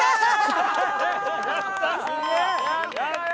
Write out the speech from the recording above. やった！